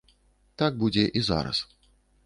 Так будзе і зараз.